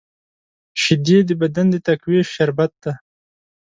شیدې د بدن د تقویې شربت دی